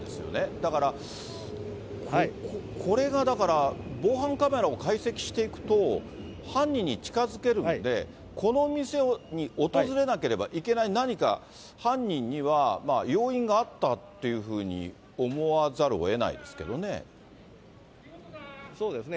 だから、これがだから、防犯カメラを解析していくと犯人に近づけるんで、この店に訪れなければいけない何か、犯人には要因があったというふうに思わざるをえないですけれどもそうですね。